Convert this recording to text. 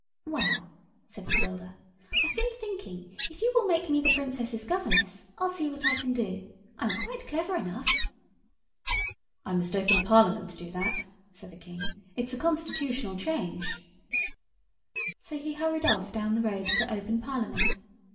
"Well," said Matilda, "I've been thinking if you will make me the Princess's governess, I'll see what I can do. I'm quite clever enough." "I must open Parliament to do that," said the King; "it's a Constitutional change." So he hurried off down the road to open Parliament.